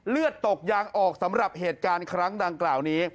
เลือดตกยางออกสำหรับเหตุการณ์ครั้งดังกล่าวนี้